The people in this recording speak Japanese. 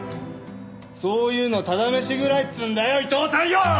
そういうのタダ飯食らいっつうんだよ伊藤さんよ！